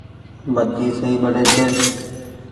بتي سئي ٻڙي ڇي۔